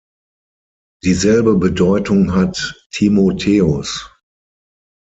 Dieselbe Bedeutung hat Timotheus.